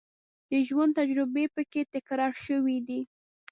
د ژوند تجربې په کې تکرار شوې دي.